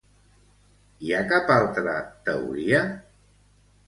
Hi ha cap altra teoria?